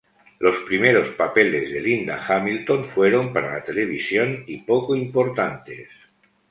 Los primeros papeles de Linda Hamilton fueron para la televisión y poco importantes.